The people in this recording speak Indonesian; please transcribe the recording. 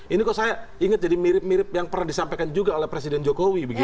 ini kok saya ingat jadi mirip mirip yang pernah disampaikan juga oleh presiden jokowi